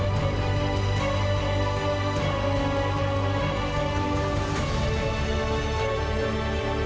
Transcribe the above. ขอบคุณครับ